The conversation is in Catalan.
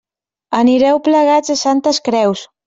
Anireu plegats a Santes Creus.